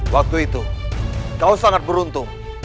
waktu itu kau sangat beruntung